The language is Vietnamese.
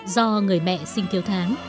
do người mẹ sinh thiếu thương